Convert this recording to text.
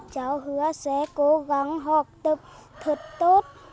cháu hứa sẽ cố gắng học tập thật tốt